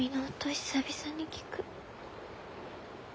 久々に聞く。